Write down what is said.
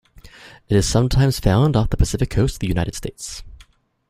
It is sometimes found off the Pacific coast of the United States.